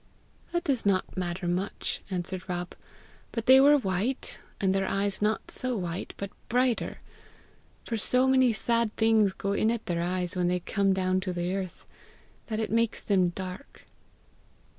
"That does not matter much," answered Rob; "but they were white, and their eyes not so white, but brighter; for so many sad things go in at their eyes when they come down to the earth, that it makes them dark."